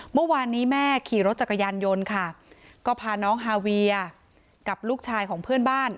เมื่อวานนี้แม่ขี่รถจักรยานยนต์ค่ะก็พาน้องฮาเวียกับลูกชายของเพื่อนบ้าน